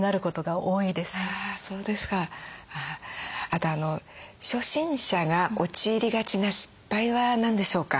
あと初心者が陥りがちな失敗は何でしょうか？